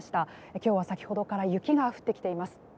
今日は先ほどから雪が降ってきています。